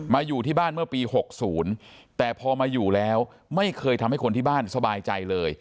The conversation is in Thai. อยู่ที่บ้านเมื่อปี๖๐แต่พอมาอยู่แล้วไม่เคยทำให้คนที่บ้านสบายใจเลย